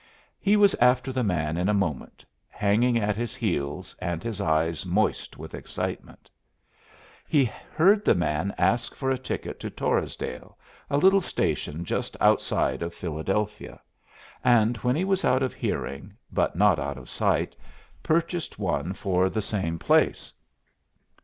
He was after the man in a moment, hanging at his heels and his eyes moist with excitement. He heard the man ask for a ticket to Torresdale, a little station just outside of Philadelphia, and when he was out of hearing, but not out of sight, purchased one for the same place.